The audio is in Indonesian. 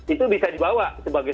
itu bisa dibawa sebagai